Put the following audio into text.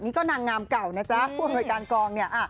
นี่ก็นางงามเก่านะจ๊ะผู้อำนวยการกองเนี่ย